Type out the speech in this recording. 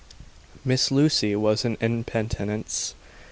Miss Lucy was en penitence.